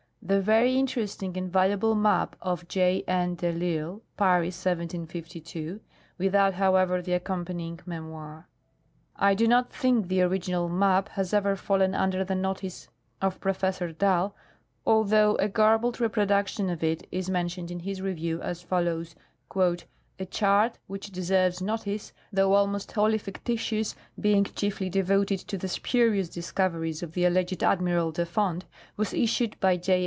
The very interesting and valuable map of J. N. de I'Isle, Paris, 1752 (without, however, the accompanying memoir). I do not think the original map has ever fallen under the notice of Professor Dall, although a garbled reproduction of it is men tioned in his review as follows :" A chart which deserves notice, though ahxiost wholly fictitious, being chiefly devoted to tlie spurious discoveries of tiie alleged Admiral de Fonte, was issued by J.